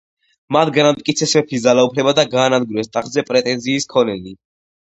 მათ განამტკიცეს მეფის ძალაუფლება და გაანადგურეს ტახტზე პრეტენზიის მქონენი.